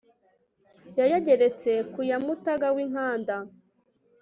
yayageretse ku ya mutaga w'i nkanda